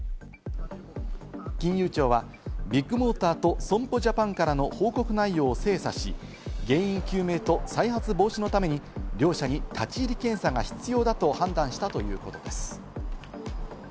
金融庁はビッグモーターと損保ジャパンからの報告内容を精査し、原因究明と再発防止のために両社に立ち入り検査が必要だと判断したということです。